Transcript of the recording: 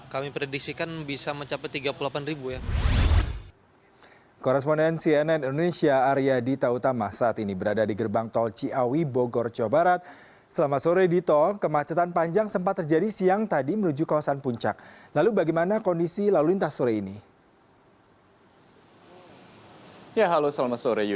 kami predisikan bisa mencapai tiga puluh delapan ribu